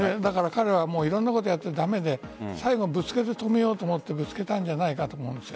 彼はいろんなことをやって駄目で最後、ぶつけて止めようと思ってぶつけたんじゃないかと思うんです。